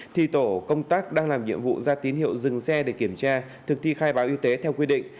thì tổ công tác đang làm nhiệm vụ ra tín hiệu dừng xe để kiểm tra thực thi khai báo y tế theo quy định